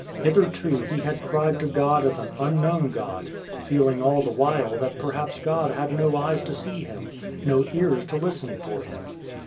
Hitherto he had cried to God as an unknown God, feeling all the while that perhaps God had no eyes to see him, no ears to listen for him.